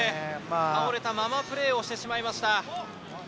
倒れたままプレーをしてしまいました。